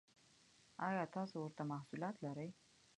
ایا تاسو ورته محصولات لرئ؟